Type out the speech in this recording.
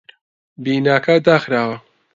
بیناکە داخراوە.